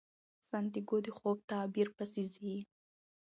سانتیاګو د خوب تعبیر پسې ځي.